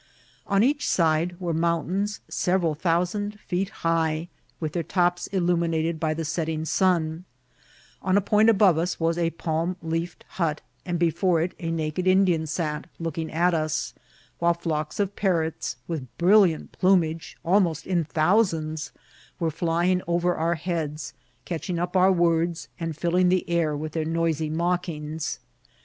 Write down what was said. On each side were mountains several thousand feet high, with their tops illuminated by the setting sun; on a point above us was a palm leafed hut, and before it a naked Indian sat looking at us ; while flocks of parrots, with brilliant plumage, almost in thousands, were flying over our heads, catching up our words, and filling the air with their noisy mockings.